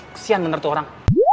kesian bener tuh orang